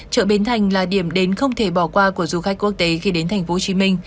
chợ bến thành là điểm đến không thể bỏ qua của du khách quốc tế khi đến tp hcm